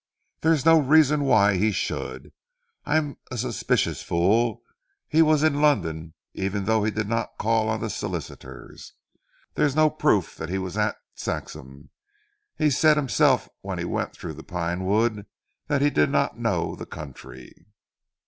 There is no reason why he should. I am a suspicious fool. He was in London even though he did not call on the solicitors. There is no proof that he was at Saxham. He said himself when he went through the Pine wood that he did not know the country."